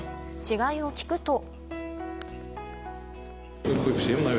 違いを聞くと。